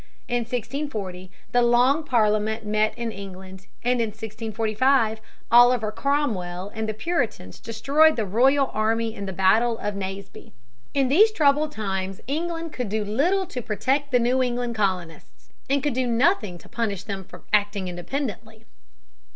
In 1640 the Long Parliament met in England, and in 1645 Oliver Cromwell and the Puritans destroyed the royal army in the battle of Naseby. In these troubled times England could do little to protect the New England colonists, and could do nothing to punish them for acting independently.